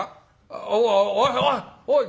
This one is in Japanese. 「おおおいおいおい！